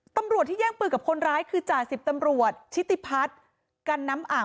ตำรวจที่แย่งปืนกับคนร้ายคือจ่าสิบตำรวจชิติพัฒน์กันน้ำอ่าง